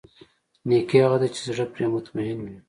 نېکي هغه ده چې زړه پرې مطمئن وي.